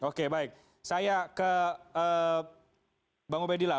oke baik saya ke bang obedillah